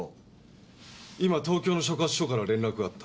今東京の所轄署から連絡があった。